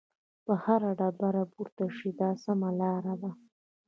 په هره ډبره پورته شئ دا سمه لار ده.